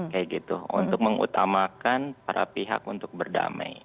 kayak gitu untuk mengutamakan para pihak untuk berdamai